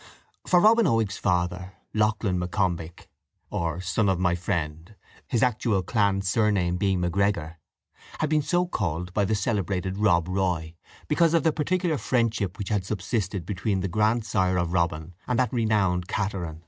For Robin Oig's father, Lachlan M'Combich, or "son of my friend" (his actual clan surname being M'Gregor), had been so called by the celebrated Rob Roy, because of the particular friendship which had subsisted between the grandsire of Robin and that renowned cateran.